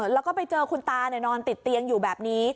แล้วก็ไปเจอคุณตานอนติดเตียงอยู่แบบนี้